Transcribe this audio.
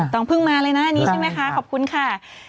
ต้องเพิ่งมาเลยนะอันนี้ใช่ไหมคะขอบคุณค่ะ